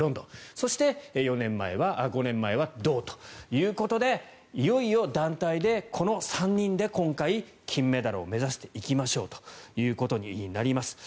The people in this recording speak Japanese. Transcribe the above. そして５年前は銅ということでいよいよ団体でこの３人で今回、金メダルを目指していきましょうということになります。